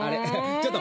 ちょっと。